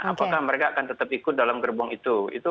apakah mereka akan tetap ikut dalam gerbong itu